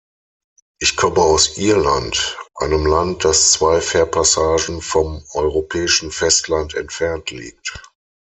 Ich komme aus Irland, einem Land, das zwei Fährpassagen vom europäischen Festland entfernt liegt.